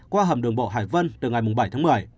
qua hầm đường bộ hải vân từ ngày bảy tháng một mươi